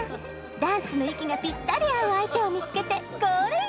ダンスの息がぴったり合う相手を見つけて「ゴールイン」